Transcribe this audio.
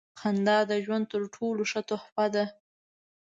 • خندا د ژوند تر ټولو ښه تحفه ده.